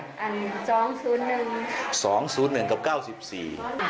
อันนี้๒๐๑บาท